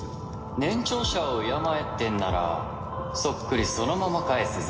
年長者を敬えってんならそっくりそのまま返すぜ。